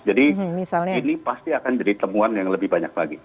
jadi ini pasti akan jadi temuan yang lebih banyak lagi